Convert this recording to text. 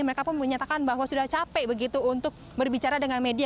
mereka pun menyatakan bahwa sudah capek begitu untuk berbicara dengan media